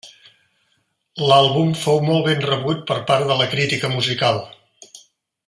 L'àlbum fou molt ben rebut per part de la crítica musical.